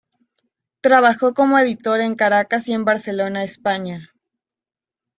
Trabajó como editor en Caracas y en Barcelona, España.